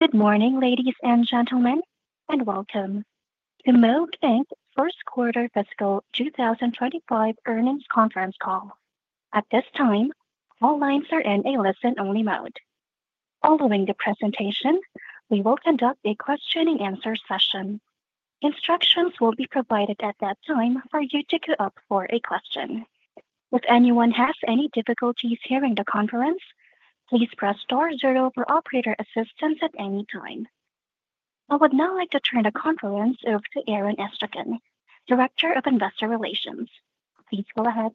Good morning, ladies and gentlemen, and welcome to Moog's first quarter fiscal 2025 earnings conference call. At this time, all lines are in a listen-only mode. Following the presentation, we will conduct a question-and-answer session. Instructions will be provided at that time for you to queue up for a question. If anyone has any difficulties hearing the conference, please press * for operator assistance at any time. I would now like to turn the conference over to Aaron Astrachan, Director of Investor Relations. Please go ahead.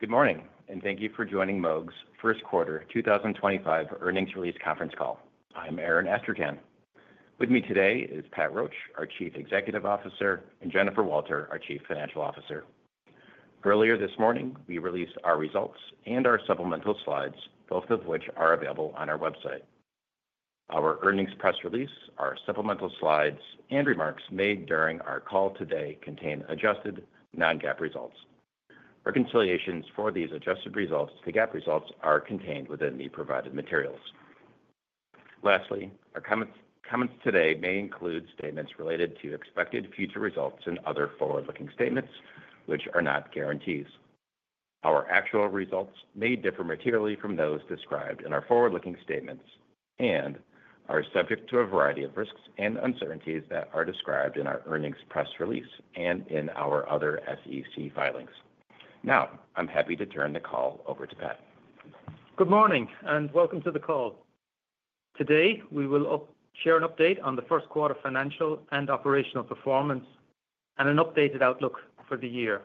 Good morning, and thank you for joining Moog's first quarter 2025 earnings release conference call. I'm Aaron Astrachan. With me today is Pat Roche, our Chief Executive Officer, and Jennifer Walter, our Chief Financial Officer. Earlier this morning, we released our results and our supplemental slides, both of which are available on our website. Our earnings press release, our supplemental slides, and remarks made during our call today contain adjusted non-GAAP results. Reconciliations for these adjusted results to GAAP results are contained within the provided materials. Lastly, our comments today may include statements related to expected future results and other forward-looking statements, which are not guarantees. Our actual results may differ materially from those described in our forward-looking statements and are subject to a variety of risks and uncertainties that are described in our earnings press release and in our other SEC filings. Now, I'm happy to turn the call over to Pat. Good morning, and welcome to the call. Today, we will share an update on the first quarter financial and operational performance and an updated outlook for the year.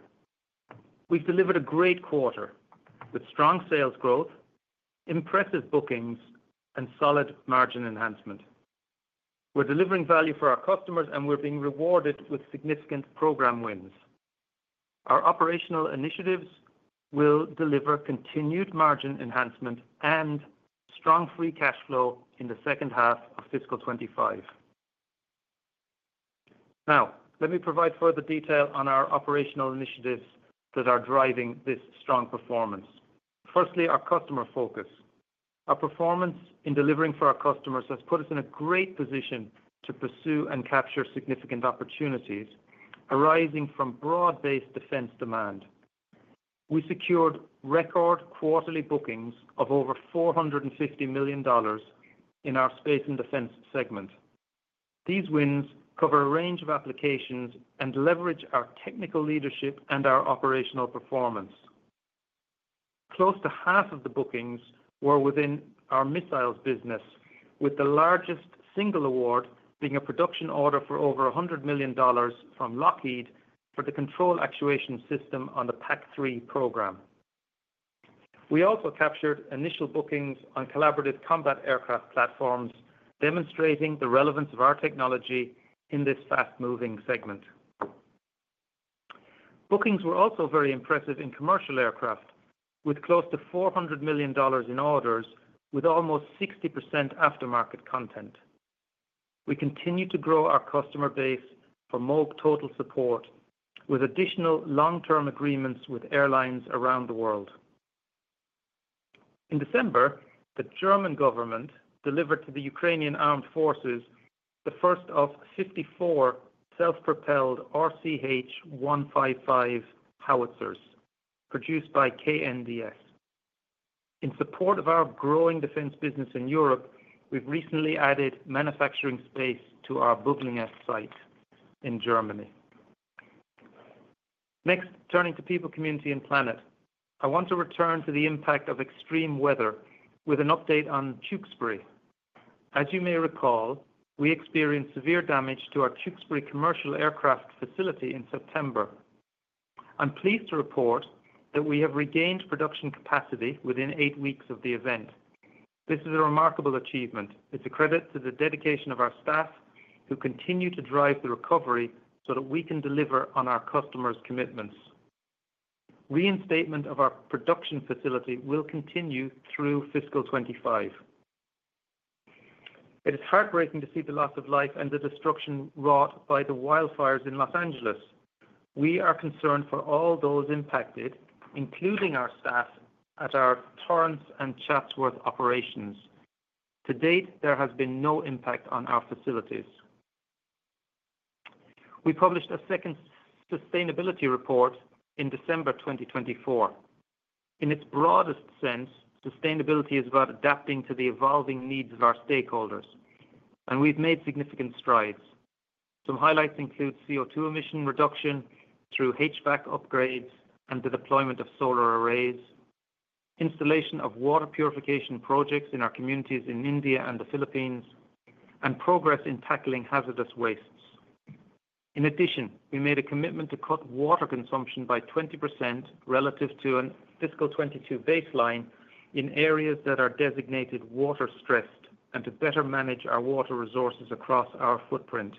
We've delivered a great quarter with strong sales growth, impressive bookings, and solid margin enhancement. We're delivering value for our customers, and we're being rewarded with significant program wins. Our operational initiatives will deliver continued margin enhancement and strong free cash flow in the second half of fiscal 2025. Now, let me provide further detail on our operational initiatives that are driving this strong performance. Firstly, our customer focus. Our performance in delivering for our customers has put us in a great position to pursue and capture significant opportunities arising from broad-based defense demand. We secured record quarterly bookings of over $450 million in our space and defense segment. These wins cover a range of applications and leverage our technical leadership and our operational performance. Close to half of the bookings were within our missiles business, with the largest single award being a production order for over $100 million from Lockheed for the control actuation system on the PAC-3 program. We also captured initial bookings on collaborative combat aircraft platforms, demonstrating the relevance of our technology in this fast-moving segment. Bookings were also very impressive in commercial aircraft, with close to $400 million in orders, with almost 60% aftermarket content. We continue to grow our customer base for Moog Total Support, with additional long-term agreements with airlines around the world. In December, the German government delivered to the Ukrainian Armed Forces the first of 54 self-propelled RCH 155 howitzers produced by KNDS. In support of our growing defense business in Europe, we've recently added manufacturing space to our Böblingen site in Germany. Next, turning to people, community, and planet, I want to return to the impact of extreme weather with an update on Tewkesbury. As you may recall, we experienced severe damage to our Tewkesbury commercial aircraft facility in September. I'm pleased to report that we have regained production capacity within eight weeks of the event. This is a remarkable achievement. It's a credit to the dedication of our staff who continue to drive the recovery so that we can deliver on our customers' commitments. Reinstatement of our production facility will continue through fiscal 2025. It is heartbreaking to see the loss of life and the destruction wrought by the wildfires in Los Angeles. We are concerned for all those impacted, including our staff at our Torrance and Chatsworth operations. To date, there has been no impact on our facilities. We published a second sustainability report in December 2024. In its broadest sense, sustainability is about adapting to the evolving needs of our stakeholders, and we've made significant strides. Some highlights include CO2 emission reduction through HVAC upgrades and the deployment of solar arrays, installation of water purification projects in our communities in India and the Philippines, and progress in tackling hazardous wastes. In addition, we made a commitment to cut water consumption by 20% relative to a fiscal 2022 baseline in areas that are designated water-stressed and to better manage our water resources across our footprint.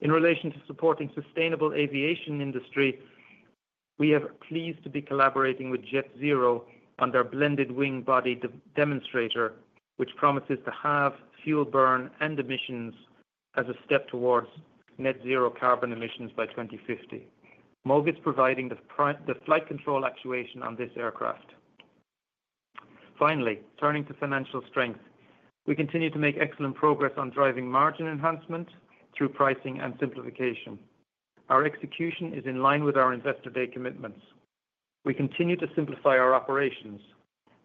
In relation to supporting the sustainable aviation industry, we are pleased to be collaborating with JetZero on their blended wing body demonstrator, which promises to have fuel burn and emissions as a step towards net zero carbon emissions by 2050. Moog is providing the flight control actuation on this aircraft. Finally, turning to financial strength, we continue to make excellent progress on driving margin enhancement through pricing and simplification. Our execution is in line with our investor day commitments. We continue to simplify our operations.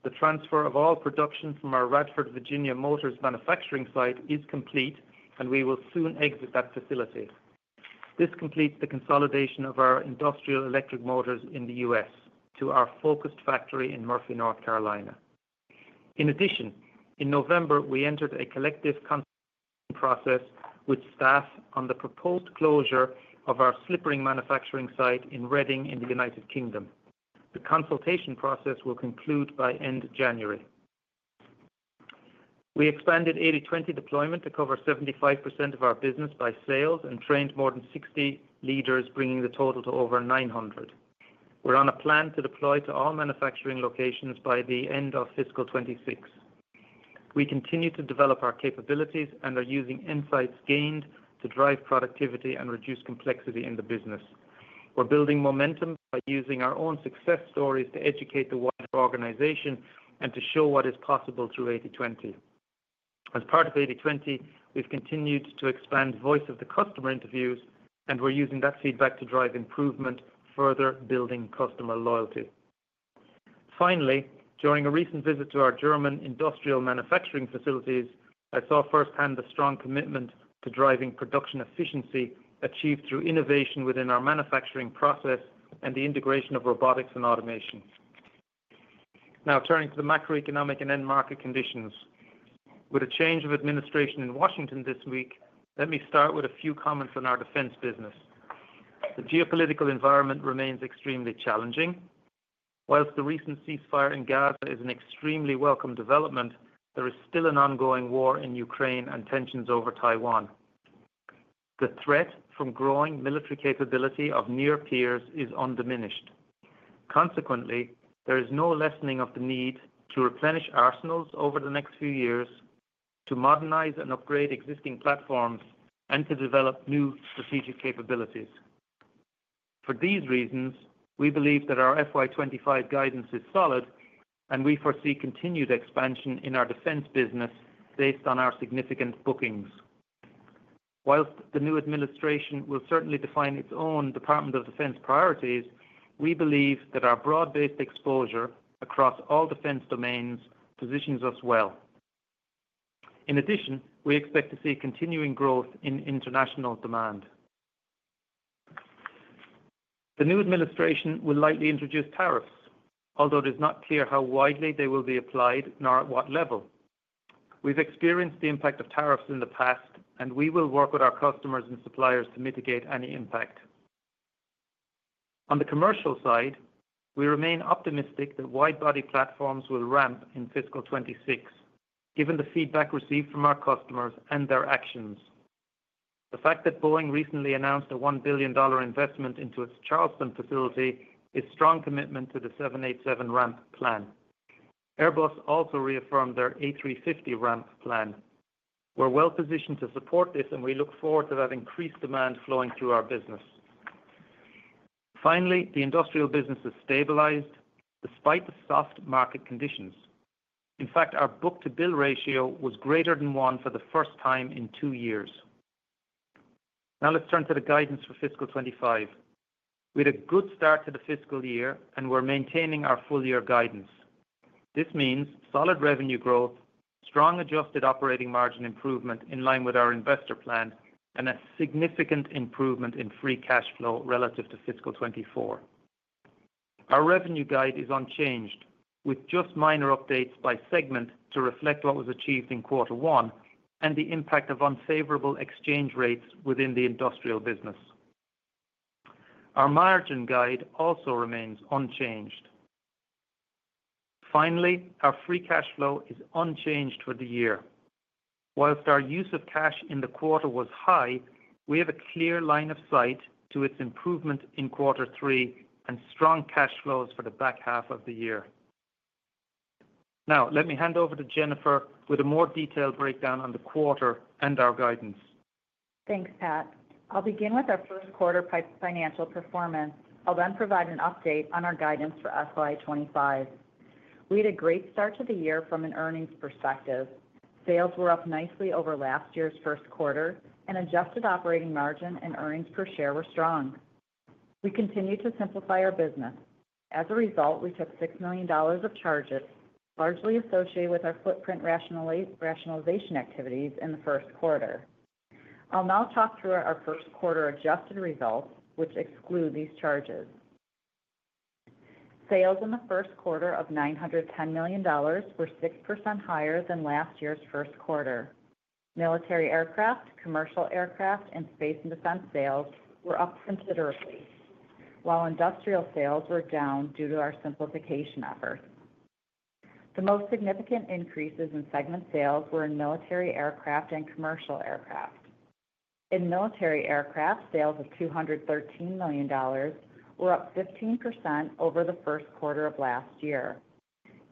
The transfer of all production from our Radford, Virginia Motors manufacturing site is complete, and we will soon exit that facility. This completes the consolidation of our industrial electric motors in the U.S. to our focused factory in Murphy, North Carolina. In addition, in November, we entered a collective consultation process with staff on the proposed closure of our slip ring manufacturing site in Reading in the United Kingdom. The consultation process will conclude by end January. We expanded 80/20 deployment to cover 75% of our business by sales and trained more than 60 leaders, bringing the total to over 900. We're on a plan to deploy to all manufacturing locations by the end of fiscal 2026. We continue to develop our capabilities and are using insights gained to drive productivity and reduce complexity in the business. We're building momentum by using our own success stories to educate the wider organization and to show what is possible through 80/20. As part of 80/20, we've continued to expand voice-of-the-customer interviews, and we're using that feedback to drive improvement, further building customer loyalty. Finally, during a recent visit to our German industrial manufacturing facilities, I saw firsthand the strong commitment to driving production efficiency achieved through innovation within our manufacturing process and the integration of robotics and automation. Now, turning to the macroeconomic and end market conditions. With a change of administration in Washington this week, let me start with a few comments on our defense business. The geopolitical environment remains extremely challenging. While the recent ceasefire in Gaza is an extremely welcome development, there is still an ongoing war in Ukraine and tensions over Taiwan. The threat from growing military capability of near peers is undiminished. Consequently, there is no lessening of the need to replenish arsenals over the next few years, to modernize and upgrade existing platforms, and to develop new strategic capabilities. For these reasons, we believe that our FY 2025 guidance is solid, and we foresee continued expansion in our defense business based on our significant bookings. While the new administration will certainly define its own Department of Defense priorities, we believe that our broad-based exposure across all defense domains positions us well. In addition, we expect to see continuing growth in international demand. The new administration will likely introduce tariffs, although it is not clear how widely they will be applied nor at what level. We've experienced the impact of tariffs in the past, and we will work with our customers and suppliers to mitigate any impact. On the commercial side, we remain optimistic that wide-body platforms will ramp in fiscal 2026, given the feedback received from our customers and their actions. The fact that Boeing recently announced a $1 billion investment into its Charleston facility is a strong commitment to the 787 ramp plan. Airbus also reaffirmed their A350 ramp plan. We're well positioned to support this, and we look forward to that increased demand flowing through our business. Finally, the industrial business has stabilized despite the soft market conditions. In fact, our book-to-bill ratio was greater than one for the first time in two years. Now, let's turn to the guidance for fiscal 25. We had a good start to the fiscal year and were maintaining our full-year guidance. This means solid revenue growth, strong adjusted operating margin improvement in line with our investor plan, and a significant improvement in free cash flow relative to fiscal 2024. Our revenue guide is unchanged, with just minor updates by segment to reflect what was achieved in quarter one and the impact of unfavorable exchange rates within the industrial business. Our margin guide also remains unchanged. Finally, our free cash flow is unchanged for the year. While our use of cash in the quarter was high, we have a clear line of sight to its improvement in quarter three and strong cash flows for the back half of the year. Now, let me hand over to Jennifer with a more detailed breakdown on the quarter and our guidance. Thanks, Pat. I'll begin with our first quarter financial performance. I'll then provide an update on our guidance for FY 2025. We had a great start to the year from an earnings perspective. Sales were up nicely over last year's first quarter, and adjusted operating margin and earnings per share were strong. We continue to simplify our business. As a result, we took $6 million of charges, largely associated with our footprint rationalization activities in the first quarter. I'll now talk through our first quarter adjusted results, which exclude these charges. Sales in the first quarter of $910 million were 6% higher than last year's first quarter. Military aircraft, commercial aircraft, and space and defense sales were up considerably, while industrial sales were down due to our simplification efforts. The most significant increases in segment sales were in military aircraft and commercial aircraft. In military aircraft, sales of $213 million were up 15% over the first quarter of last year.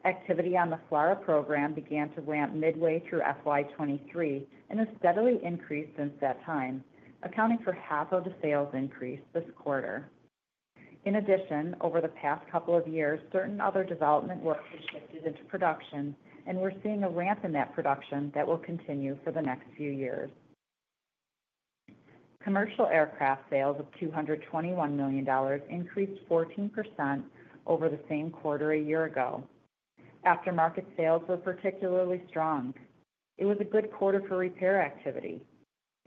Activity on the FLRAA program began to ramp midway through FY 2023 and has steadily increased since that time, accounting for half of the sales increase this quarter. In addition, over the past couple of years, certain other development work has shifted into production, and we're seeing a ramp in that production that will continue for the next few years. Commercial aircraft sales of $221 million increased 14% over the same quarter a year ago. Aftermarket sales were particularly strong. It was a good quarter for repair activity.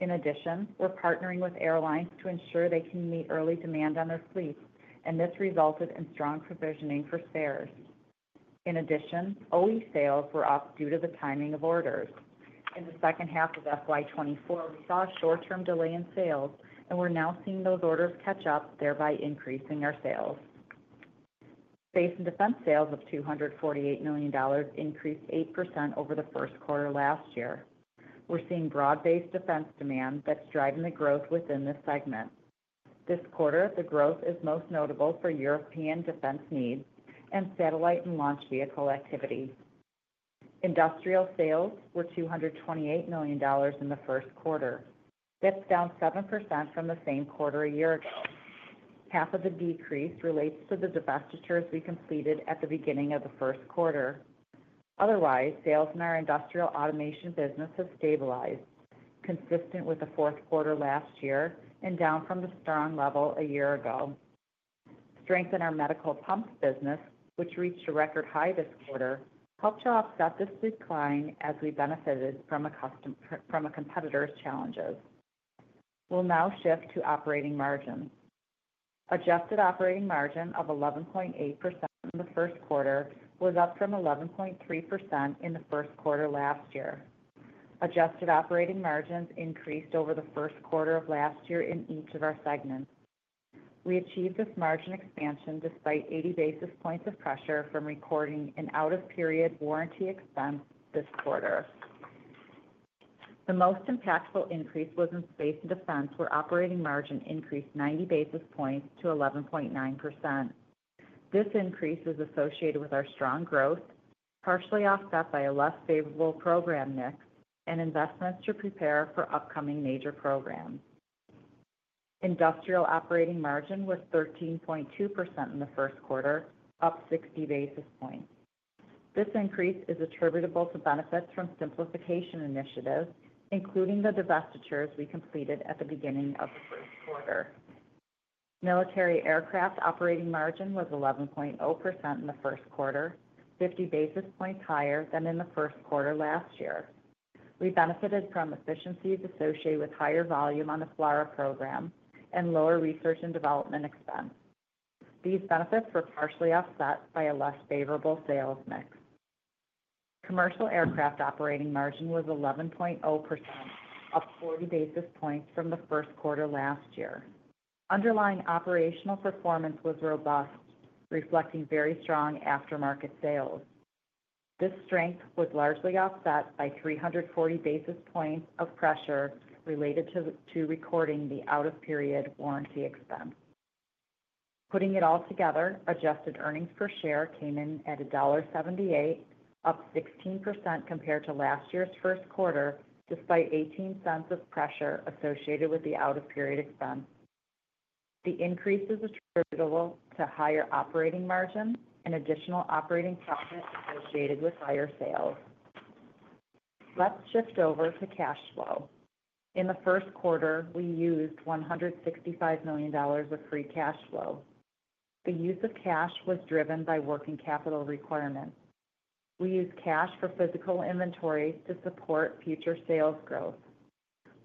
In addition, we're partnering with airlines to ensure they can meet early demand on their fleet, and this resulted in strong provisioning for spares. In addition, OE sales were up due to the timing of orders. In the second half of FY 2024, we saw a short-term delay in sales, and we're now seeing those orders catch up, thereby increasing our sales. Space and defense sales of $248 million increased 8% over the first quarter last year. We're seeing broad-based defense demand that's driving the growth within this segment. This quarter, the growth is most notable for European defense needs and satellite and launch vehicle activity. Industrial sales were $228 million in the first quarter. That's down 7% from the same quarter a year ago. Half of the decrease relates to the divestitures we completed at the beginning of the first quarter. Otherwise, sales in our industrial automation business have stabilized, consistent with the fourth quarter last year and down from the strong level a year ago. Strength in our medical pumps business, which reached a record high this quarter, helped to offset this decline as we benefited from a competitor's challenges. We'll now shift to operating margin. Adjusted operating margin of 11.8% in the first quarter was up from 11.3% in the first quarter last year. Adjusted operating margins increased over the first quarter of last year in each of our segments. We achieved this margin expansion despite 80 basis points of pressure from recording an out-of-period warranty expense this quarter. The most impactful increase was in space and defense, where operating margin increased 90 basis points to 11.9%. This increase is associated with our strong growth, partially offset by a less favorable program mix, and investments to prepare for upcoming major programs. Industrial operating margin was 13.2% in the first quarter, up 60 basis points. This increase is attributable to benefits from simplification initiatives, including the divestitures we completed at the beginning of the first quarter. Military aircraft operating margin was 11.0% in the first quarter, 50 basis points higher than in the first quarter last year. We benefited from efficiencies associated with higher volume on the FLRAA program and lower research and development expense. These benefits were partially offset by a less favorable sales mix. Commercial aircraft operating margin was 11.0%, up 40 basis points from the first quarter last year. Underlying operational performance was robust, reflecting very strong aftermarket sales. This strength was largely offset by 340 basis points of pressure related to recording the out-of-period warranty expense. Putting it all together, adjusted earnings per share came in at $1.78, up 16% compared to last year's first quarter, despite 18 cents of pressure associated with the out-of-period expense. The increase is attributable to higher operating margin and additional operating profit associated with higher sales. Let's shift over to cash flow. In the first quarter, we used $165 million of free cash flow. The use of cash was driven by working capital requirements. We used cash for physical inventory to support future sales growth.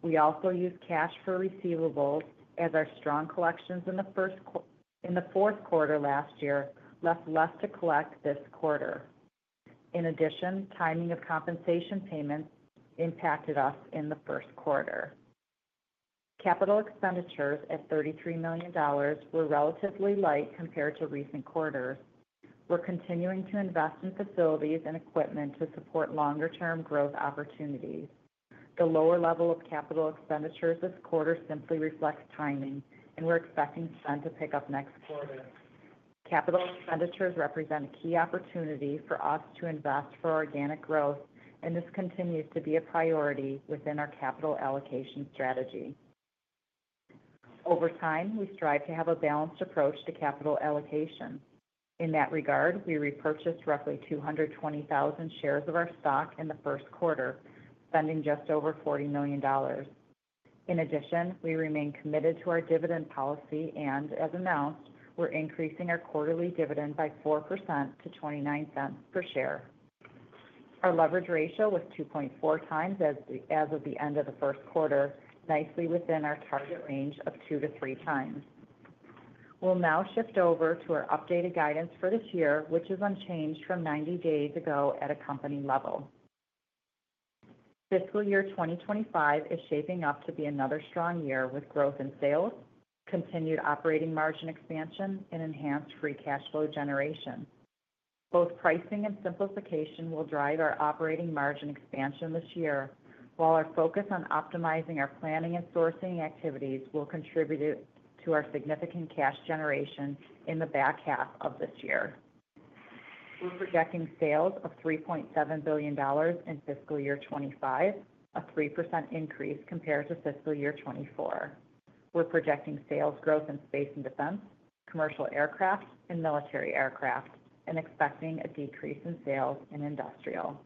We also used cash for receivables as our strong collections in the fourth quarter last year left less to collect this quarter. In addition, timing of compensation payments impacted us in the first quarter. Capital expenditures at $33 million were relatively light compared to recent quarters. We're continuing to invest in facilities and equipment to support longer-term growth opportunities. The lower level of capital expenditures this quarter simply reflects timing, and we're expecting spend to pick up next quarter. Capital expenditures represent a key opportunity for us to invest for organic growth, and this continues to be a priority within our capital allocation strategy. Over time, we strive to have a balanced approach to capital allocation. In that regard, we repurchased roughly 220,000 shares of our stock in the first quarter, spending just over $40 million. In addition, we remain committed to our dividend policy and, as announced, we're increasing our quarterly dividend by 4% to $0.29 per share. Our leverage ratio was 2.4 times as of the end of the first quarter, nicely within our target range of two to three times. We'll now shift over to our updated guidance for this year, which is unchanged from 90 days ago at a company level. Fiscal year 2025 is shaping up to be another strong year with growth in sales, continued operating margin expansion, and enhanced free cash flow generation. Both pricing and simplification will drive our operating margin expansion this year, while our focus on optimizing our planning and sourcing activities will contribute to our significant cash generation in the back half of this year. We're projecting sales of $3.7 billion in fiscal year 2025, a 3% increase compared to fiscal year 2024. We're projecting sales growth in space and defense, commercial aircraft, and military aircraft, and expecting a decrease in sales in industrial.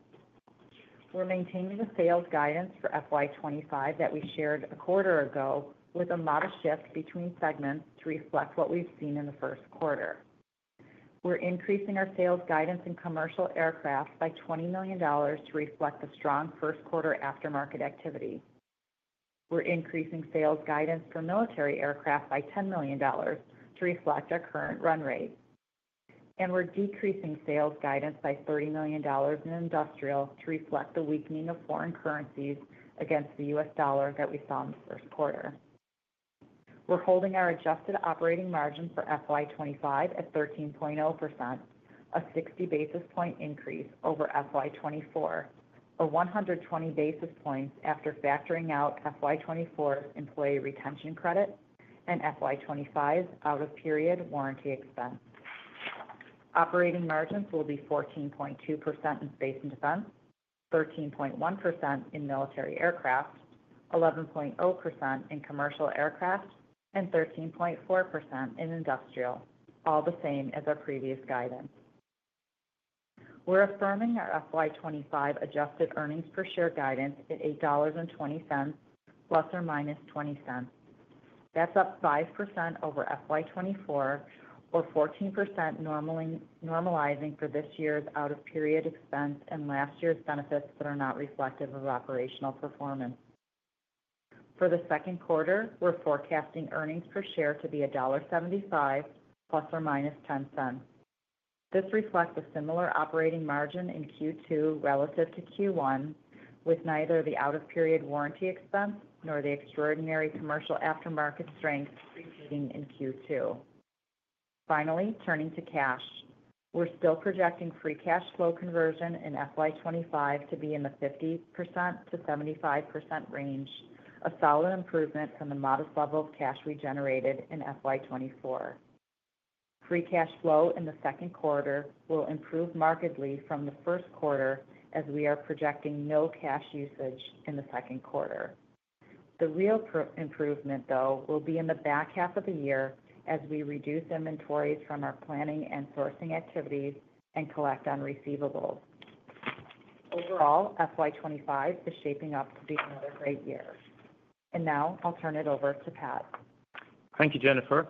We're maintaining the sales guidance for FY 2025 that we shared a quarter ago with a modest shift between segments to reflect what we've seen in the first quarter. We're increasing our sales guidance in commercial aircraft by $20 million to reflect the strong first quarter aftermarket activity. We're increasing sales guidance for military aircraft by $10 million to reflect our current run rate. We're decreasing sales guidance by $30 million in industrial to reflect the weakening of foreign currencies against the U.S. dollar that we saw in the first quarter. We're holding our adjusted operating margin for FY 2025 at 13.0%, a 60 basis point increase over FY 2024, or 120 basis points after factoring out FY 2024's employee retention credit and FY 2025's out-of-period warranty expense. Operating margins will be 14.2% in space and defense, 13.1% in military aircraft, 11.0% in commercial aircraft, and 13.4% in industrial, all the same as our previous guidance. We're affirming our FY 2025 adjusted earnings per share guidance at $8.20, ± $0.20. That's up 5% over FY 2024, or 14% normalizing for this year's out-of-period expense and last year's benefits that are not reflective of operational performance. For the second quarter, we're forecasting earnings per share to be $1.75, ±$0.10. This reflects a similar operating margin in Q2 relative to Q1, with neither the out-of-period warranty expense nor the extraordinary commercial aftermarket strength repeating in Q2. Finally, turning to cash. We're still projecting free cash flow conversion in FY 2025 to be in the 50%-75% range, a solid improvement from the modest level of cash we generated in FY 2024. Free cash flow in the second quarter will improve markedly from the first quarter as we are projecting no cash usage in the second quarter. The real improvement, though, will be in the back half of the year as we reduce inventories from our planning and sourcing activities and collect on receivables. Overall, FY 2025 is shaping up to be another great year. And now I'll turn it over to Pat. Thank you, Jennifer.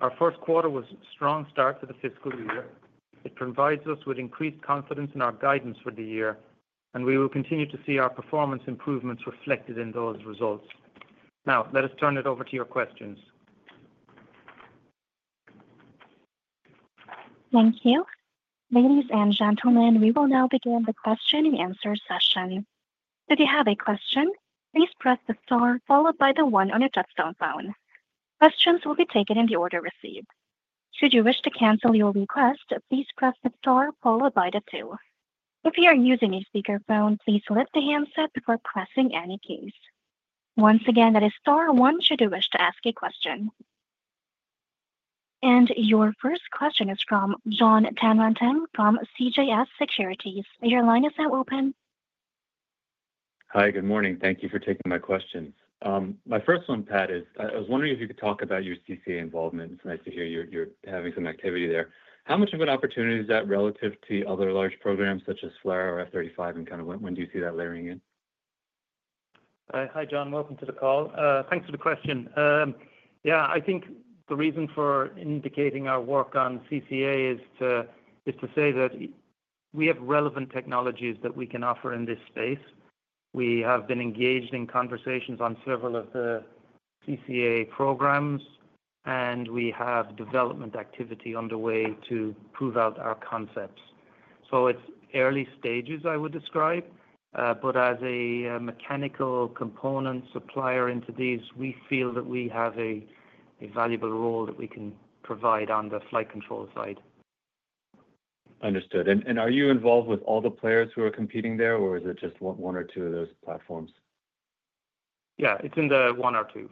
Our first quarter was a strong start to the fiscal year. It provides us with increased confidence in our guidance for the year, and we will continue to see our performance improvements reflected in those results. Now, let us turn it over to your questions. Thank you. Ladies and gentlemen, we will now begin the question and answer session. If you have a question, please press the star followed by the one on your touch-tone phone. Questions will be taken in the order received. Should you wish to cancel your request, please press the star followed by the two. If you are using a speakerphone, please lift the handset before pressing any keys. Once again, that is star one should you wish to ask a question. And your first question is from Jon Tanwanteng from CJS Securities. Your line is now open. Hi, good morning. Thank you for taking my questions. My first one, Pat, is I was wondering if you could talk about your CCA involvement. It's nice to hear you're having some activity there. How much of an opportunity is that relative to the other large programs such as FLRAA or F-35, and kind of when do you see that layering in? Hi, Jon. Welcome to the call. Thanks for the question. Yeah, I think the reason for indicating our work on CCA is to say that we have relevant technologies that we can offer in this space. We have been engaged in conversations on several of the CCA programs, and we have development activity underway to prove out our concepts. So it's early stages, I would describe, but as a mechanical component supplier into these, we feel that we have a valuable role that we can provide on the flight control side. Understood. And are you involved with all the players who are competing there, or is it just one or two of those platforms? Yeah, it's in the one or two.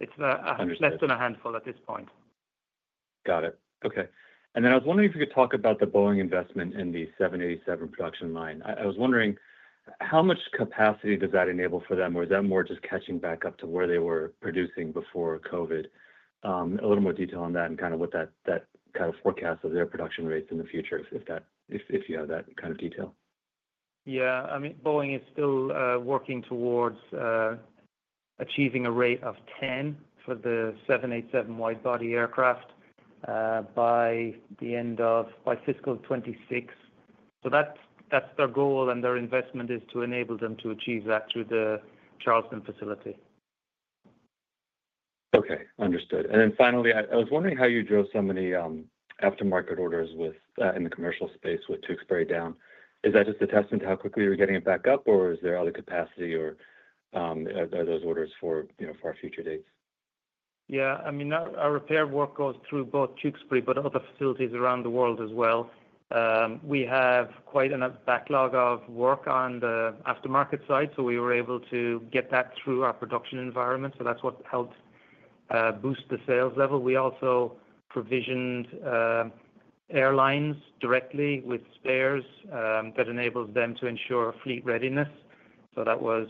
It's less than a handful at this point. Got it. Okay. And then I was wondering if you could talk about the Boeing investment in the 787 production line. I was wondering, how much capacity does that enable for them, or is that more just catching back up to where they were producing before COVID? A little more detail on that and kind of what that kind of forecast of their production rates in the future, if you have that kind of detail. Yeah. I mean, Boeing is still working towards achieving a rate of 10 for the 787 widebody aircraft by the end of fiscal 2026. So that's their goal, and their investment is to enable them to achieve that through the Charleston facility. Okay. Understood. And then finally, I was wondering how you drove some of the aftermarket orders in the commercial space with Tewkesbury down. Is that just a testament to how quickly you're getting it back up, or is there other capacity, or are those orders for future dates? Yeah. I mean, our repair work goes through both Tewkesbury but other facilities around the world as well. We have quite a backlog of work on the aftermarket side, so we were able to get that through our production environment. So that's what helped boost the sales level. We also provisioned airlines directly with spares that enables them to ensure fleet readiness. So that was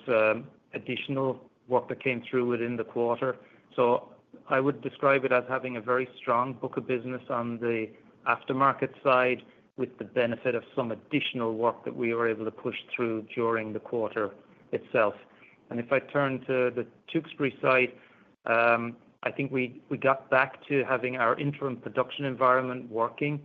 additional work that came through within the quarter. So I would describe it as having a very strong book of business on the aftermarket side with the benefit of some additional work that we were able to push through during the quarter itself. And if I turn to the Tewkesbury side, I think we got back to having our interim production environment working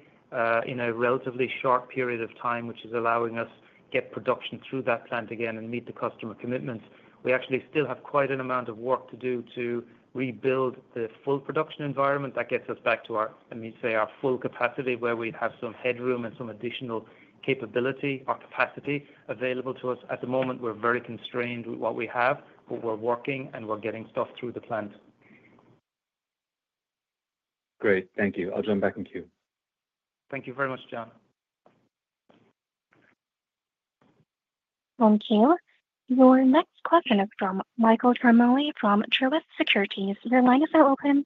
in a relatively short period of time, which is allowing us to get production through that plant again and meet the customer commitments. We actually still have quite an amount of work to do to rebuild the full production environment that gets us back to, I mean, say, our full capacity where we have some headroom and some additional capability or capacity available to us. At the moment, we're very constrained with what we have, but we're working and we're getting stuff through the plant. Great. Thank you. I'll jump back in queue. Thank you very much, Jon. Thank you. Your next question is from Michael Ciarmoli from Truist Securities. Your line is now open.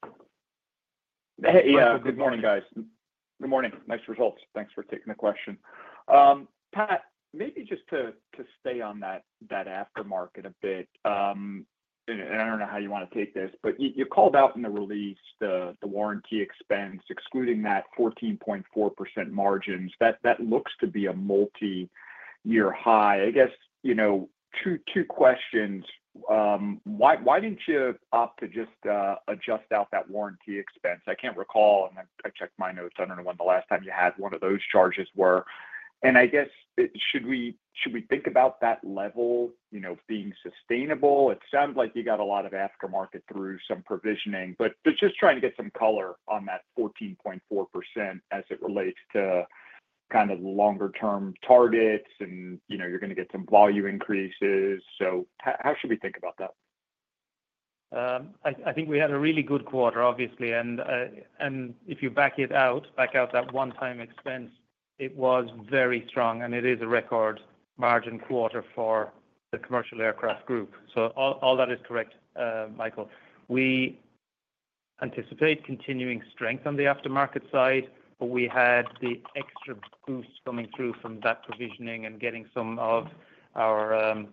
Hey, yeah. Good morning, guys. Good morning. Nice results. Thanks for taking the question. Pat, maybe just to stay on that aftermarket a bit, and I don't know how you want to take this, but you called out in the release the warranty expense, excluding that 14.4% margin. That looks to be a multi-year high. I guess two questions. Why didn't you opt to just adjust out that warranty expense? I can't recall, and I checked my notes. I don't know when the last time you had one of those charges were. And I guess, should we think about that level being sustainable? It sounds like you got a lot of aftermarket through some provisioning, but just trying to get some color on that 14.4% as it relates to kind of longer-term targets and you're going to get some volume increases. So how should we think about that? I think we had a really good quarter, obviously, and if you back it out, back out that one-time expense, it was very strong, and it is a record margin quarter for the commercial aircraft group, so all that is correct, Michael. We anticipate continuing strength on the aftermarket side, but we had the extra boost coming through from that provisioning and getting some of our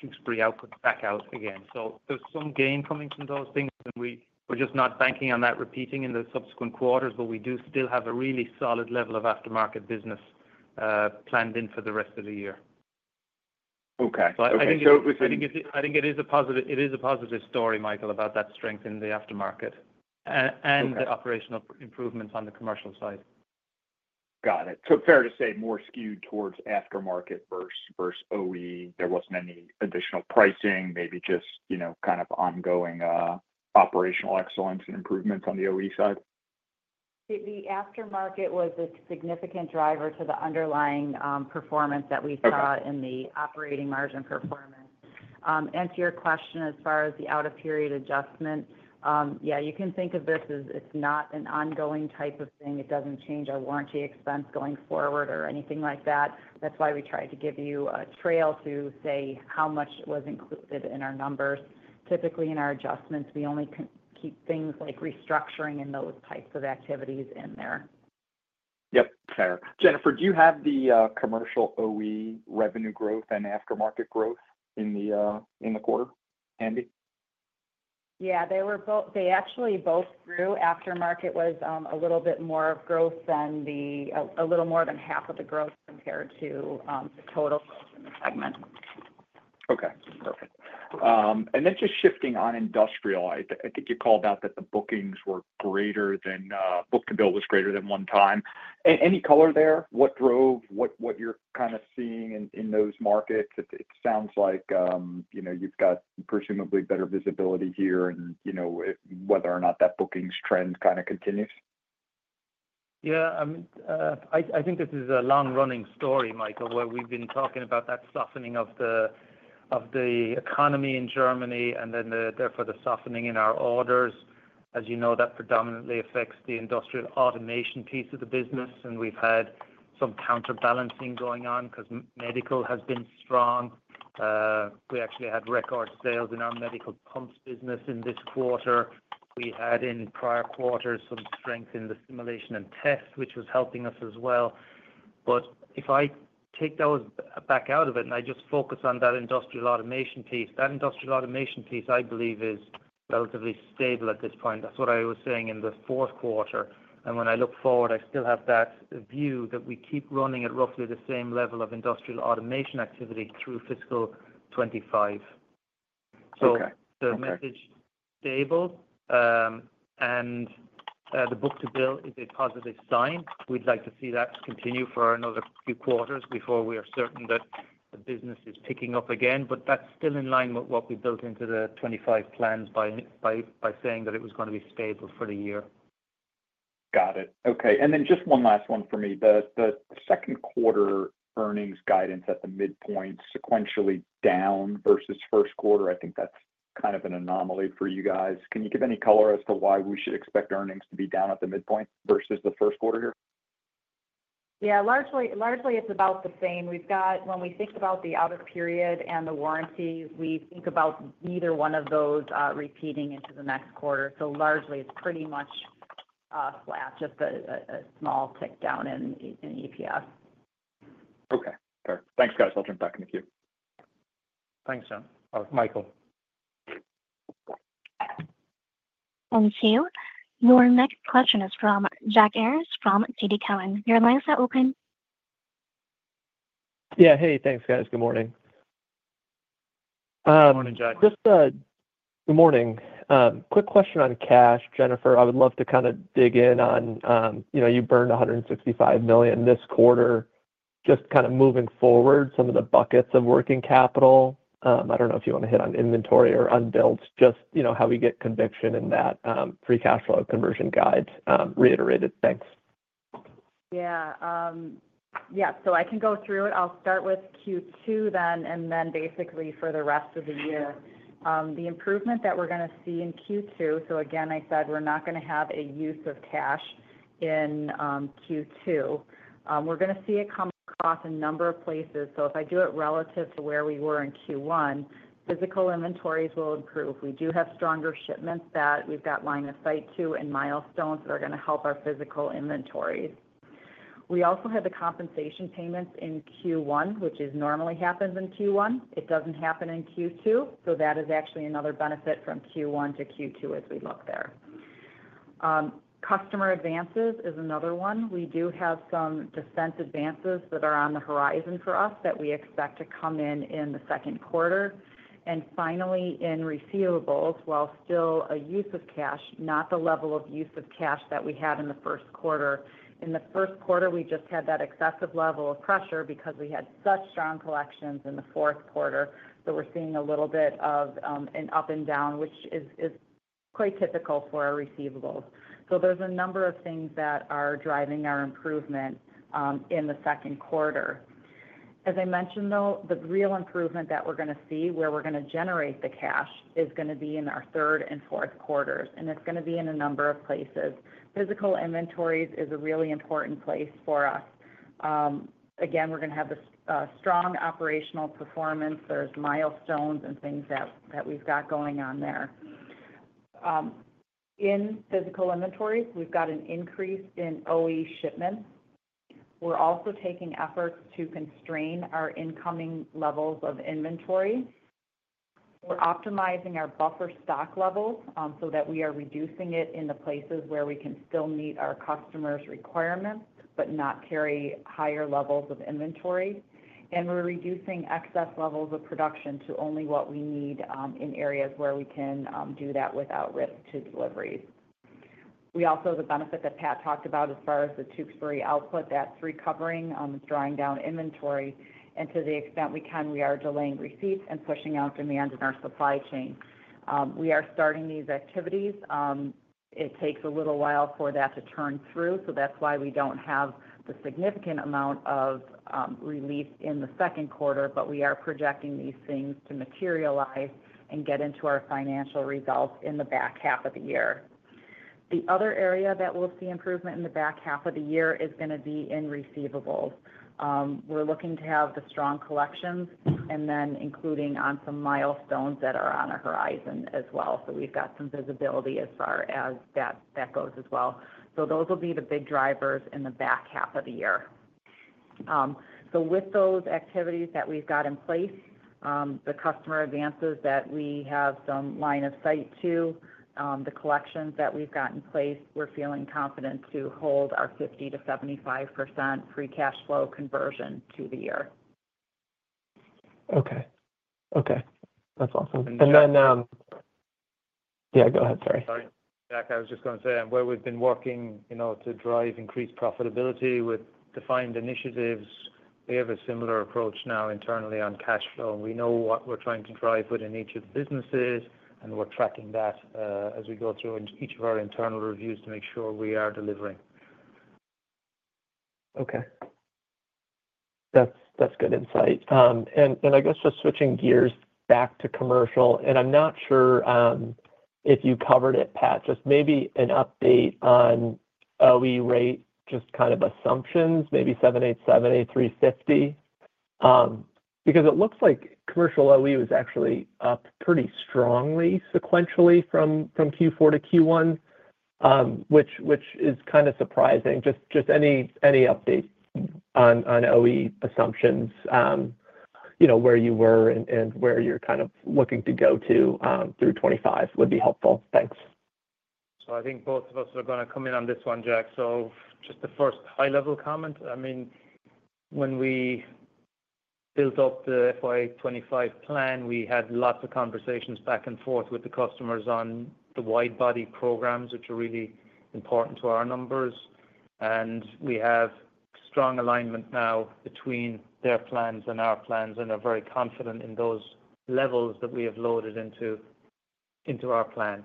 Tewkesbury output back out again, so there's some gain coming from those things, and we're just not banking on that repeating in the subsequent quarters, but we do still have a really solid level of aftermarket business planned in for the rest of the year. Okay. So it's over. So I think it is a positive story, Michael, about that strength in the aftermarket and the operational improvements on the commercial side. Got it. So fair to say more skewed towards aftermarket versus OE? There wasn't any additional pricing, maybe just kind of ongoing operational excellence and improvements on the OE side? The aftermarket was a significant driver to the underlying performance that we saw in the operating margin performance. And to your question as far as the out-of-period adjustment, yeah, you can think of this as it's not an ongoing type of thing. It doesn't change our warranty expense going forward or anything like that. That's why we tried to give you a trail to say how much was included in our numbers. Typically, in our adjustments, we only keep things like restructuring and those types of activities in there. Yep. Fair. Jennifer, do you have the commercial OE revenue growth and aftermarket growth in the quarter? Andy? Yeah. They actually both grew. Aftermarket was a little bit more of the growth, a little more than half of the growth compared to the total growth in the segment. Okay. Perfect. And then just shifting on industrial, I think you called out that the bookings were greater than one. Book-to-bill was greater than one. Any color there? What drove what you're kind of seeing in those markets? It sounds like you've got presumably better visibility here and whether or not that bookings trend kind of continues. Yeah. I mean, I think this is a long-running story, Michael, where we've been talking about that softening of the economy in Germany and then therefore the softening in our orders. As you know, that predominantly affects the industrial automation piece of the business, and we've had some counterbalancing going on because medical has been strong. We actually had record sales in our medical pumps business in this quarter. We had, in prior quarters, some strength in the simulation and test, which was helping us as well. But if I take those back out of it and I just focus on that industrial automation piece, that industrial automation piece, I believe, is relatively stable at this point. That's what I was saying in the fourth quarter. And when I look forward, I still have that view that we keep running at roughly the same level of industrial automation activity through fiscal 2025. So the message is stable, and the book-to-bill is a positive sign. We'd like to see that continue for another few quarters before we are certain that the business is picking up again, but that's still in line with what we built into the 2025 plans by saying that it was going to be stable for the year. Got it. Okay. And then just one last one for me. The second quarter earnings guidance at the midpoint, sequentially down versus first quarter, I think that's kind of an anomaly for you guys. Can you give any color as to why we should expect earnings to be down at the midpoint versus the first quarter here? Yeah. Largely, it's about the same. When we think about the out-of-period and the warranty, we think about neither one of those repeating into the next quarter. So largely, it's pretty much flat, just a small tick down in EPS. Okay. Perfect. Thanks, guys. I'll jump back in the queue. Thanks, Jon. Oh, Michael. Thank you. Your next question is from Jack Ayers from TD Cowen. Your line is now open. Yeah. Hey, thanks, guys. Good morning. Good morning, Jack. Good morning. Quick question on cash, Jennifer. I would love to kind of dig in on you burned $165 million this quarter. Just kind of moving forward, some of the buckets of working capital. I don't know if you want to hit on inventory or unbilled, just how we get conviction in that free cash flow conversion guide reiterated. Thanks. Yeah. Yeah. So I can go through it. I'll start with Q2 then and then basically for the rest of the year. The improvement that we're going to see in Q2, so again, I said we're not going to have a use of cash in Q2. We're going to see it come across a number of places. So if I do it relative to where we were in Q1, physical inventories will improve. We do have stronger shipments that we've got line of sight to and milestones that are going to help our physical inventories. We also had the compensation payments in Q1, which normally happens in Q1. It doesn't happen in Q2, so that is actually another benefit from Q1 to Q2 as we look there. Customer advances is another one. We do have some defense advances that are on the horizon for us that we expect to come in in the second quarter, and finally, in receivables, while still a use of cash, not the level of use of cash that we had in the first quarter. In the first quarter, we just had that excessive level of pressure because we had such strong collections in the fourth quarter, so we're seeing a little bit of an up and down, which is quite typical for our receivables, so there's a number of things that are driving our improvement in the second quarter. As I mentioned, though, the real improvement that we're going to see where we're going to generate the cash is going to be in our third and fourth quarters, and it's going to be in a number of places. Physical inventories is a really important place for us. Again, we're going to have a strong operational performance. There's milestones and things that we've got going on there. In physical inventories, we've got an increase in OE shipments. We're also taking efforts to constrain our incoming levels of inventory. We're optimizing our buffer stock levels so that we are reducing it in the places where we can still meet our customers' requirements but not carry higher levels of inventory. And we're reducing excess levels of production to only what we need in areas where we can do that without risk to deliveries. We also have the benefit that Pat talked about as far as the Tewkesbury output. That's recovering. It's drawing down inventory. And to the extent we can, we are delaying receipts and pushing out demand in our supply chain. We are starting these activities. It takes a little while for that to turn through, so that's why we don't have the significant amount of relief in the second quarter, but we are projecting these things to materialize and get into our financial results in the back half of the year. The other area that we'll see improvement in the back half of the year is going to be in receivables. We're looking to have the strong collections and then including on some milestones that are on the horizon as well. So we've got some visibility as far as that goes as well. So those will be the big drivers in the back half of the year. With those activities that we've got in place, the customer advances that we have some line of sight to, the collections that we've got in place, we're feeling confident to hold our 50%-75% free cash flow conversion to the year. Okay. Okay. That's awesome. And then. And so. Yeah. Go ahead. Sorry. Sorry. Yeah. I was just going to say where we've been working to drive increased profitability with defined initiatives, we have a similar approach now internally on cash flow, and we know what we're trying to drive within each of the businesses, and we're tracking that as we go through each of our internal reviews to make sure we are delivering. Okay. That's good insight. And I guess just switching gears back to commercial, and I'm not sure if you covered it, Pat, just maybe an update on OE rate, just kind of assumptions, maybe 787, A350, because it looks like commercial OE was actually up pretty strongly sequentially from Q4 to Q1, which is kind of surprising. Just any update on OE assumptions, where you were and where you're kind of looking to go to through 2025 would be helpful. Thanks. So I think both of us are going to come in on this one, Jack. So just the first high-level comment. I mean, when we built up the FY 2025 plan, we had lots of conversations back and forth with the customers on the wide-body programs, which are really important to our numbers. And we have strong alignment now between their plans and our plans, and they're very confident in those levels that we have loaded into our plan.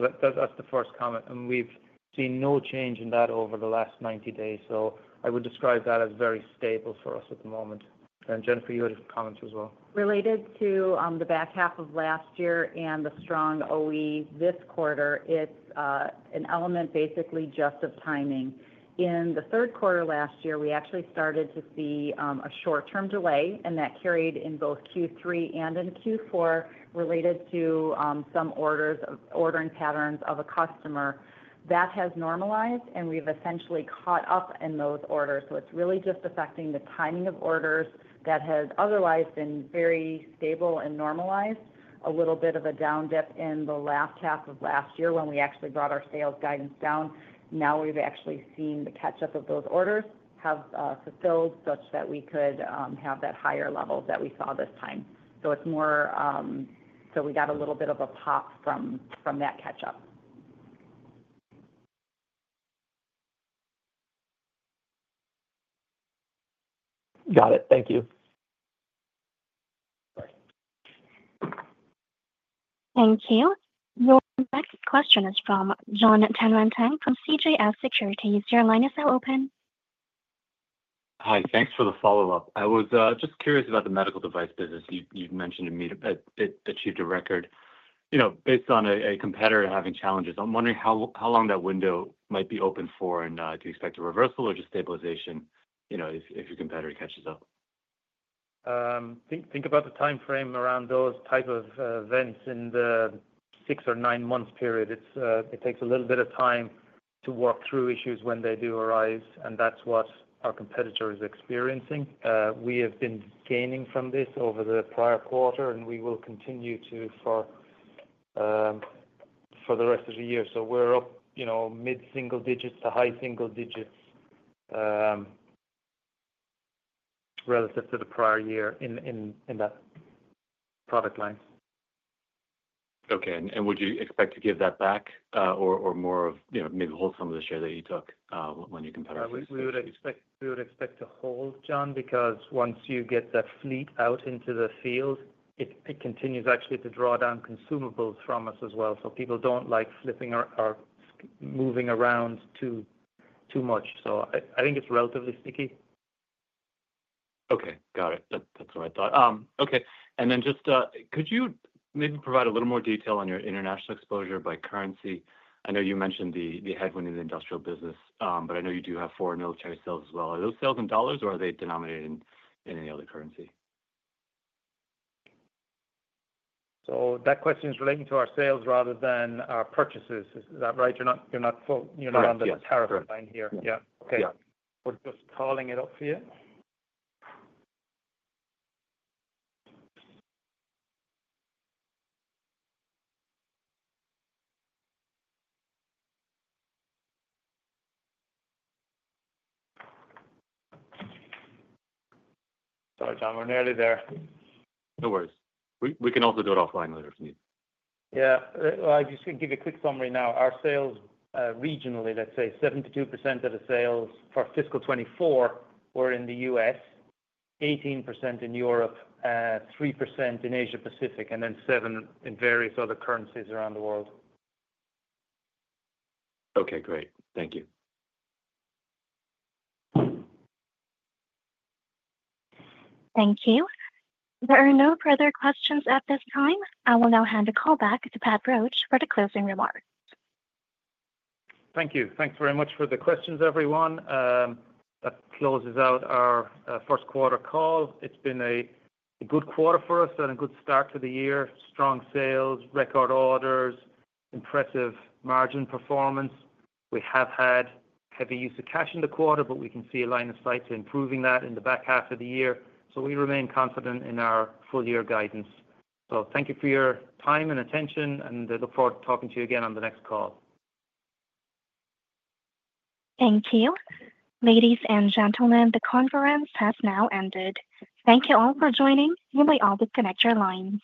That's the first comment. And we've seen no change in that over the last 90 days. So I would describe that as very stable for us at the moment. And Jennifer, you had a comment as well. Related to the back half of last year and the strong OE this quarter, it's an element basically just of timing. In the third quarter last year, we actually started to see a short-term delay, and that carried in both Q3 and in Q4 related to some ordering patterns of a customer. That has normalized, and we've essentially caught up in those orders. So it's really just affecting the timing of orders that had otherwise been very stable and normalized. A little bit of a down dip in the last half of last year when we actually brought our sales guidance down. Now we've actually seen the catch-up of those orders have fulfilled such that we could have that higher level that we saw this time. So it's more so we got a little bit of a pop from that catch-up. Got it. Thank you. Thank you. Your next question is from Jon Tanwanteng from CJS Securities. Your line is now open. Hi. Thanks for the follow-up. I was just curious about the medical device business. You'd mentioned it achieved a record. Based on a competitor having challenges, I'm wondering how long that window might be open for, and do you expect a reversal or just stabilization if your competitor catches up? Think about the time frame around those type of events in the six- or nine-month period. It takes a little bit of time to work through issues when they do arise, and that's what our competitor is experiencing. We have been gaining from this over the prior quarter, and we will continue to for the rest of the year. So we're up mid-single digits to high single digits relative to the prior year in that product line. Okay. And would you expect to give that back or more of maybe hold some of the share that you took when your competitor faced you? We would expect to hold, Jon, because once you get that fleet out into the field, it continues actually to draw down consumables from us as well. So people don't like flipping or moving around too much. So I think it's relatively sticky. Okay. Got it. That's what I thought. Okay. And then just could you maybe provide a little more detail on your international exposure by currency? I know you mentioned the headwind in the industrial business, but I know you do have foreign military sales as well. Are those sales in dollars, or are they denominated in any other currency? So that question is relating to our sales rather than our purchases. Is that right? You're not on the tariff line here. Yeah. Correct. Yeah. Okay. We're just calling it up for you. Sorry, Jon. We're nearly there. No worries. We can also do it offline later if needed. Yeah, well, I'm just going to give you a quick summary now. Our sales regionally, let's say, 72% of the sales for fiscal 2024 were in the U.S., 18% in Europe, 3% in Asia-Pacific, and then 7% in various other currencies around the world. Okay. Great. Thank you. Thank you. There are no further questions at this time. I will now hand the call back to Pat Roche for the closing remarks. Thank you. Thanks very much for the questions, everyone. That closes out our first quarter call. It's been a good quarter for us and a good start to the year. Strong sales, record orders, impressive margin performance. We have had heavy use of cash in the quarter, but we can see a line of sight to improving that in the back half of the year. So we remain confident in our full-year guidance. So thank you for your time and attention, and I look forward to talking to you again on the next call. Thank you. Ladies and gentlemen, the conference has now ended. Thank you all for joining. You may all disconnect your lines.